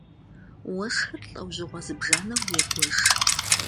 Уэшхыр лӀэужьыгъуэ зыбжанэу егуэш.